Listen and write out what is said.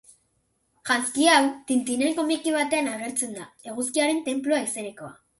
Janzki hau, Tintinen komiki batean agertzen da, Eguzkiaren Tenplua izenekoa.